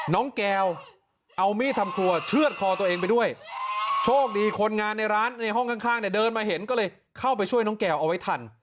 น้องแก้วเอามีดทำครัวเชื่อดคอตัวเองไปด้วยโชคดีคนงานในร้านในห้องข้างเนี่ยเดินมาเห็นก็เลยเข้าไปช่วยน้องแก้วเอาไว้ทัน